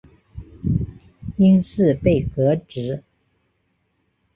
因事被革职。